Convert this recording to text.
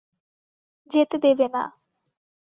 যেতে দেবে না।